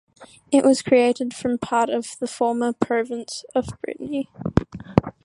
It was created from part of the former province of Brittany.